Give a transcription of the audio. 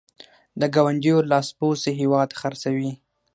د ګاونډیو لاسپوڅي هېواد خرڅوي.